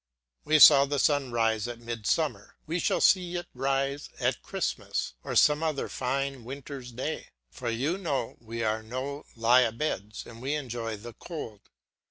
We saw the sun rise at midsummer, we shall see it rise at Christmas or some other fine winter's day; for you know we are no lie a beds and we enjoy the cold.